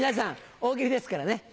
大喜利ですからね。